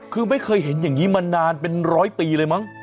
คือไม่เคยเห็นอย่างนี้มานานเป็นร้อยปีเลยมั้ง